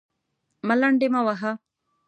_ملنډې مه وهه!